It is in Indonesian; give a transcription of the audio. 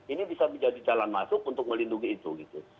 ini bisa menjadi jalan masuk untuk melindungi itu gitu